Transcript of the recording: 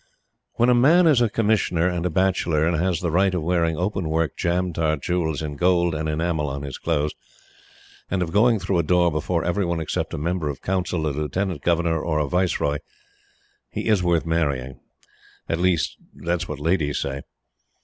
When a man is a Commissioner and a bachelor and has the right of wearing open work jam tart jewels in gold and enamel on his clothes, and of going through a door before every one except a Member of Council, a Lieutenant Governor, or a Viceroy, he is worth marrying. At least, that is what ladies say.